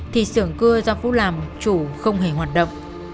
thì xưởng cưa do phú làm chủ không hề hoạt động